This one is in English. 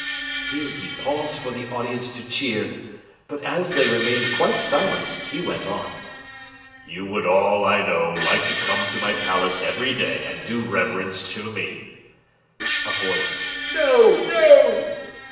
Here he paused for the audience to cheer, but as they remained quite silent he went on: "You would all, I know, like to come to my Palace every day and do reverence to me. (A voice: 'No, no!')